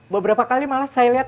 beberapa kali malah saya lihat